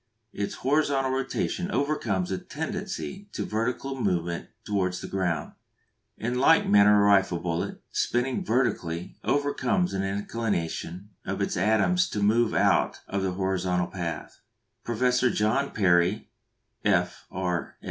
Its horizontal rotation overcomes a tendency to vertical movement towards the ground. In like manner a rifle bullet, spinning vertically, overcomes an inclination of its atoms to move out of their horizontal path. Professor John Perry, F.R.